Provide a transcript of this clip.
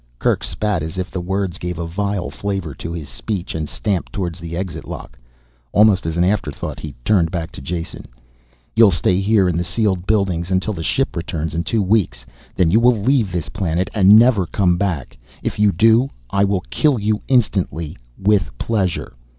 Kerk spat, as if the words gave a vile flavor to his speech, and stamped towards the exit lock. Almost as an afterthought he turned back to Jason. "You'll stay here in the sealed buildings until the ship returns in two weeks. Then you will leave this planet and never come back. If you do, I'll kill you instantly. With pleasure."